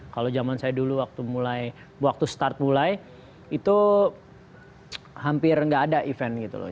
kalau zaman saya dulu waktu mulai waktu start mulai itu hampir nggak ada event gitu loh